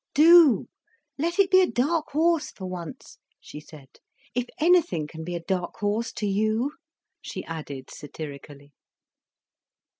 "Do. Let it be a dark horse for once," she said: "if anything can be a dark horse to you," she added satirically.